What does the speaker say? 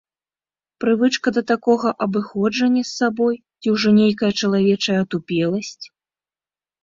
Прывычка да такога абыходжання з сабой ці ўжо нейкая чалавечая атупеласць?